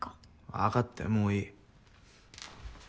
わかったよもういい。